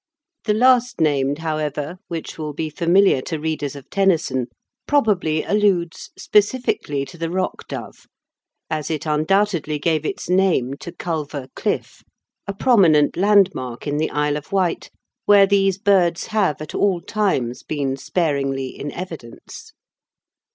The last named, however, which will be familiar to readers of Tennyson, probably alludes specifically to the rock dove, as it undoubtedly gave its name to Culver Cliff, a prominent landmark in the Isle of Wight, where these birds have at all times been sparingly in evidence.